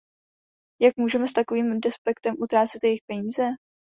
Jak můžeme s takovým despektem utrácet jejich peníze?